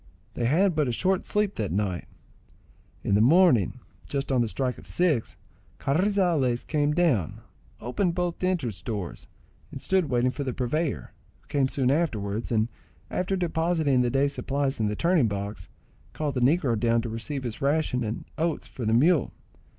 They had but a short sleep that night. In the morning, just on the strike of six, Carrizales came down, opened both entrance doors, and stood waiting for the purveyor, who came soon afterwards; and after depositing the day's supplies in the turning box, called the negro down to receive his ration and oats for the mule.